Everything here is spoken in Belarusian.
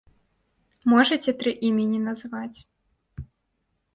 Можаце тры імені назваць?